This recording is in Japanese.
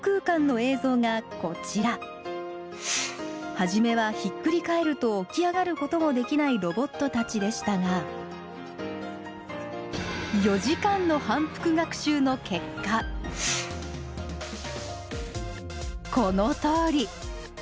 初めはひっくり返ると起き上がることもできないロボットたちでしたが４時間の反復学習の結果このとおり！